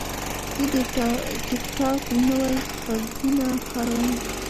زه د ټک ټاک نوي غږونه کاروم.